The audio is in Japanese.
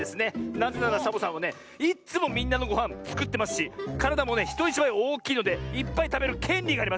なぜならサボさんはねいっつもみんなのごはんつくってますしからだもねひといちばいおおきいのでいっぱいたべるけんりがあります！